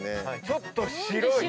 ちょっと白い。